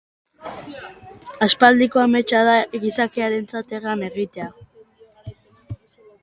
Aspaldiko ametsa da gizakiarentzat hegan egitea.